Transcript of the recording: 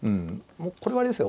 もうこれはあれですよ。